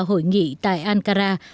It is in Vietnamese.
hội nghị tại ankara